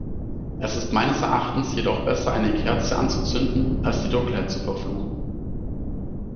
Es ist meines Erachtens jedoch besser eine Kerze anzuzünden, als die Dunkelheit zu verfluchen.